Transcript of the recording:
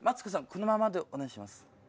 このままでお願いします。